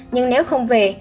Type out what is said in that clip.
nhưng nếu không về